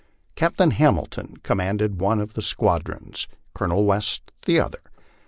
Captain Hamilton commanded one of the squad rons, Colonel West the other.